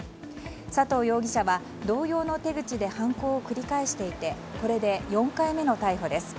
佐藤容疑者は同様の手口で犯行を繰り返していてこれで４回目の逮捕です。